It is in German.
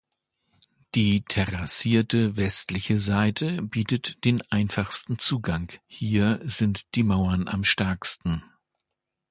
Die terrassierte westliche Seite bietet den einfachsten Zugang, hier sind die Mauern am stärksten.